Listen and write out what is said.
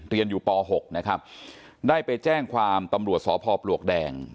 เรียนอยู่ป๖นะครับได้ไปแจ้งความตำรวจสพปลวกแดง